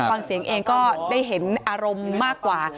ฟังเสียงเองก็ได้เห็นอารมณ์มากกว่า